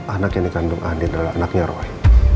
anak yang dikandung andin adalah anaknya roy